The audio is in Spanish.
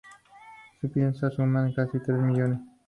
Su piezas suman casi tres millones.